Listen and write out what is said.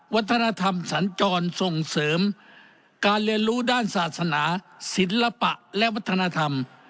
วัฒนธรรมสัญจรส่งเสริมการเรียนรู้ด้านศาสนาศิลปะและวัฒนธรรม